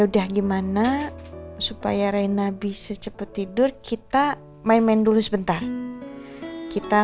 ya udah gimana supaya rina bisa cepet tidur kita main main dulu sebentar kita